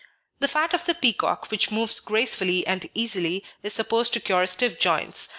The fat of the peacock, which moves gracefully and easily, is supposed to cure stiff joints.